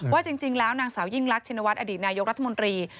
ว่าจริงแล้วนางสาวยิ่งรักชินวัฒนอดีตนายกรัฐมนตรี